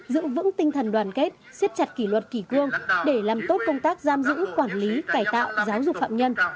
giữ vững tinh thần đoàn kết siết chặt kỷ luật kỷ cương để làm tốt công tác giam giữ quản lý cải tạo giáo dục phạm nhân